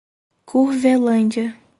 Curvelândia